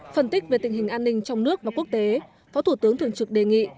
phân tích về tình hình an ninh trong nước và quốc tế phó thủ tướng thường trực đề nghị